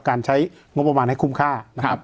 การใช้งบประมาณให้คุ้มค่านะครับ